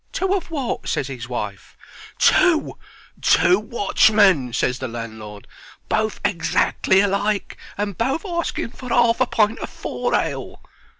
"Two of wot?" ses his wife. "Two two watchmen," ses the landlord; "both exac'ly alike and both asking for 'arf a pint o' four ale."